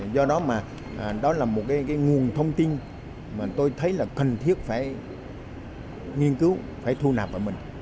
do đó mà đó là một nguồn thông tin mà tôi thấy là cần thiết phải nghiên cứu phải thu nạp vào mình